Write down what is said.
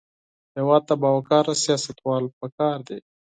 هېواد ته باوقاره سیاستوال پکار دي